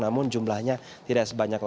namun jumlahnya tidak sebanyak